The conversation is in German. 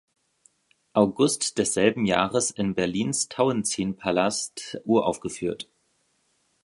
August desselben Jahres in Berlins Tauentzienpalast uraufgeführt.